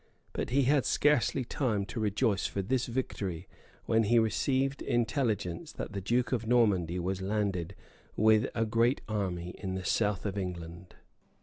But he had scarcely time to rejoice for this victory, when he received itelligence that the duke of Normandy was landed with a great army in the south of England.